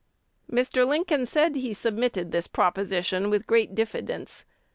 "Mr. Lincoln said he submitted this proposition with great diffidence.